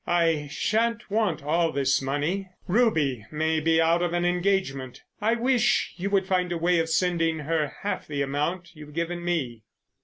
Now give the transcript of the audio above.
"I shan't want all this money. Ruby may be out of an engagement. I wish you would find a way of sending her half the amount you've given me."